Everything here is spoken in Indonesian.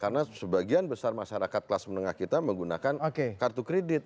karena sebagian besar masyarakat kelas menengah kita menggunakan kartu kredit